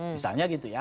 misalnya gitu ya